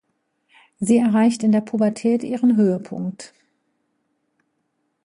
Sie erreicht in der Pubertät ihren Höhepunkt.